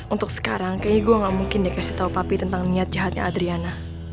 untuk sekarang kayaknya gue gak mungkin dikasih tahu papi tentang niat jahatnya adriana